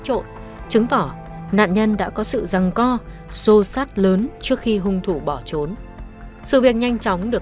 trộn chứng tỏ nạn nhân đã có sự răng co xô sát lớn trước khi hung thủ bỏ trốn sự việc nhanh chóng được